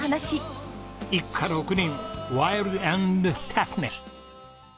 一家６人ワイルドアンドタフネス。